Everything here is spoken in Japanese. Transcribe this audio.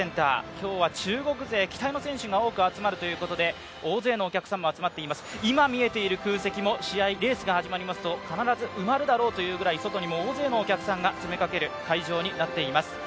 今日は中国勢、期待の選手が多く出場するということで大勢のお客さんも集まっています、今、見えている空席もレースが始まりますと必ず埋まるだろうというぐらい、外にも大勢のお客さんが詰めかける会場になっています。